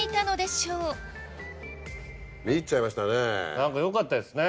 何かよかったですね。